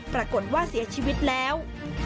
ปรากฏว่าเสียชีวิตแล้ว